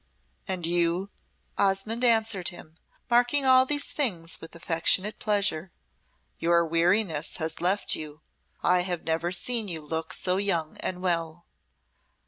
"And you," Osmonde answered him, marking all these things with affectionate pleasure, "your weariness has left you. I have never seen you look so young and well."